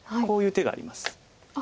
こういう手があります。